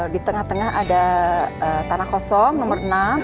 di tengah tengah ada tanah kosong nomor enam